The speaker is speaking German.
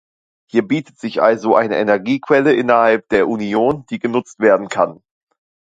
Hier bietet sich also eine Energiequelle innerhalb der Union, die genutzt werden kann.